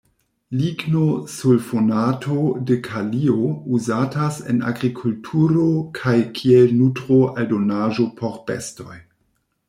Ligno-sulfonato de kalio uzatas en agrikulturo kaj kiel nutro-aldonaĵo por bestoj.